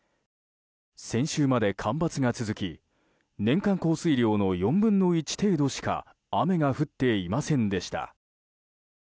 先週まで干ばつが続き年間降水量の４分の１程度しか雨が降っていませんでした。